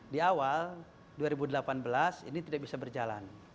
di awal dua ribu delapan belas ini tidak bisa berjalan